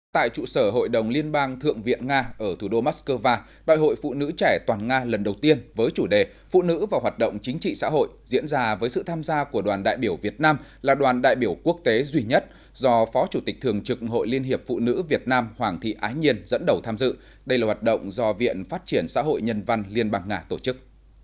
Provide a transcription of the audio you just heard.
tại trụ sở hội đồng liên bang thượng viện nga ở thủ đô moscow đại hội phụ nữ trẻ toàn nga lần đầu tiên với chủ đề phụ nữ và hoạt động chính trị xã hội diễn ra với sự tham gia của đoàn đại biểu việt nam là đoàn đại biểu quốc tế duy nhất do phó chủ tịch thường trực hội liên hiệp phụ nữ việt nam hoàng thị ái nhiên dẫn đầu tham dự đây là hoạt động do viện phát triển xã hội nhân văn liên bang nga tổ chức